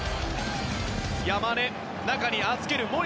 山根、中に預ける。